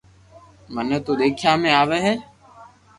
منو تو ديکيا ۾ آوي ھي